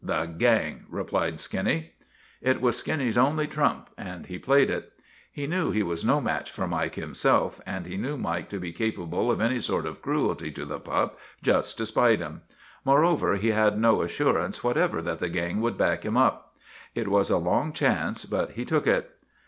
" The gang," replied Skinny. It was Skinny 's only trump and he played it. He knew T he was no match for Mike himself, and he knew Mike to be capable of any sort of cruelty to the pup just to spite him. Moreover he had no as surance whatever that the gang would back him. It was a long chance, but he took it.